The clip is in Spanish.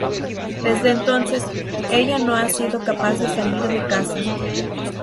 Desde entonces, ella no ha sido capaz de salir de casa.